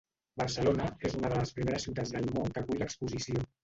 Barcelona és una de les primeres ciutats del món que acull l’exposició.